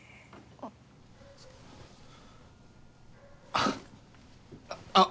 あっあっ